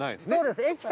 そうですね。